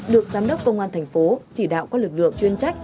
được giám đốc công an thành phố chỉ đạo các lực lượng chuyên trách